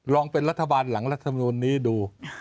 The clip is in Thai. ลองเป็นรัฐบาลหลังรัฐมนูลนี้ดู